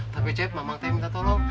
tapi cep mama teh minta tolong